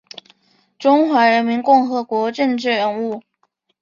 中华人民共和国政治人物。